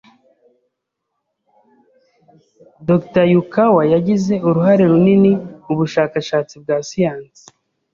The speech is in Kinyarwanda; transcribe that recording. Dr. Yukawa yagize uruhare runini mu bushakashatsi bwa siyansi.